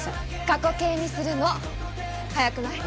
過去形にするの早くない？